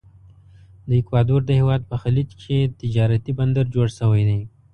د اکوادور د هیواد په خلیج کې تجارتي بندر جوړ شوی دی.